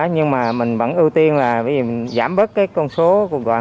nhưng mà mình vẫn ưu tiên là giảm bớt cái con số của bệnh nhân